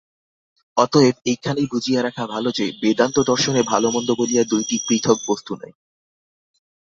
অতএব এইখানেই বুঝিয়া রাখা ভাল যে, বেদান্তদর্শনে ভাল-মন্দ বলিয়া দুইটি পৃথক বস্তু নাই।